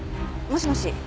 もしもし。